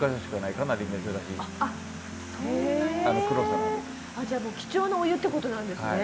じゃあもう貴重なお湯ってことなんですね。